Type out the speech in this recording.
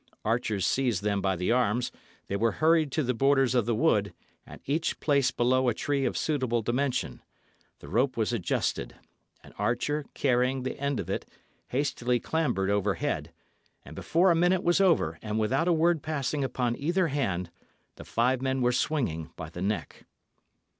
Archers seized them by the arms; they were hurried to the borders of the wood, and each placed below a tree of suitable dimension; the rope was adjusted; an archer, carrying the end of it, hastily clambered overhead; and before a minute was over, and without a word passing upon either hand, the five men were swinging by the neck.